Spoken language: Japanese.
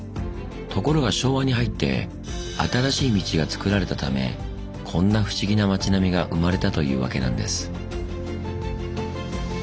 ところが昭和に入って新しい道がつくられたためこんな不思議な街並みが生まれたというわけなんです。